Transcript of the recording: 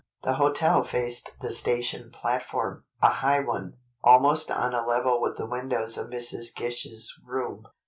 The hotel faced the station platform, a high one, almost on a level with the windows of Mrs. Gish's room.